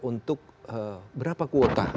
untuk berapa kuota